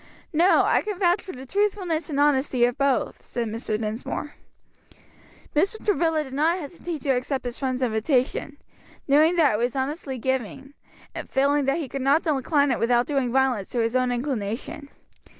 "No, I can vouch for the truthfulness and honesty of both," said Mr. Dinsmore. Mr. Travilla did not hesitate to accept his friend's invitation, knowing that it was honestly given, and feeling that he could not decline it without doing violence to his own inclination.